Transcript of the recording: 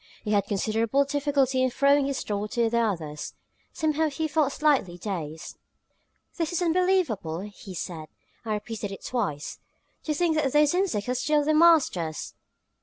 He had considerable difficulty in throwing his thought to the others; somehow he felt slightly dazed. "This is unbelievable!" he said, and repeated it twice. "To think that those insects are still the masters!"